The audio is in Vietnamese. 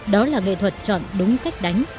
đó là nghệ thuật chọn đúng cách đánh